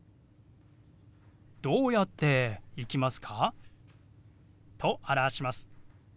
「どうやって行きますか？」と表します。